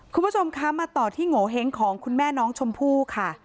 คุณผู้ชมคะมาต่อที่โงเห้งของคุณแม่น้องชมพู่ค่ะ